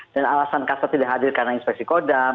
dan alasan kasat tidak hadir karena inspeksi kodam